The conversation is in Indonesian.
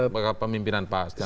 masa pemimpinan pak stian afan